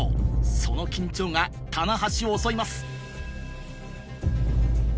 その緊張が棚橋を襲います